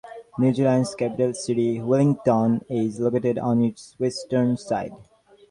New Zealand's capital city, Wellington, is located on its western side.